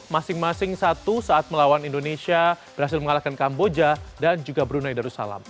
masing masing satu saat melawan indonesia berhasil mengalahkan kamboja dan juga brunei darussalam